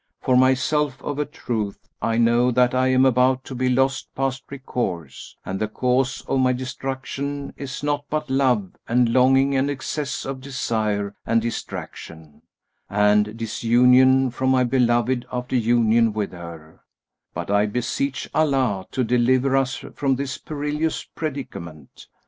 For myself, of a truth I know that I am about to be lost past recourse, and the cause of my destruction is naught but love and longing and excess of desire and distraction, and disunion from my beloved after union with her; but I beseech Allah to deliver us from this perilous predicament."